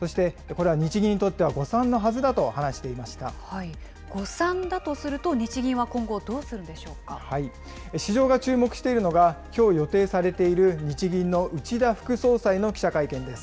そして、これは日銀にとっては誤誤算だとすると、日銀は今後、市場が注目しているのが、きょう予定されている日銀の内田副総裁の記者会見です。